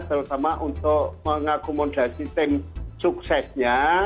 terutama untuk mengakomodasi tim suksesnya